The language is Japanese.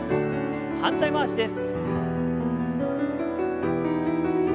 反対回しです。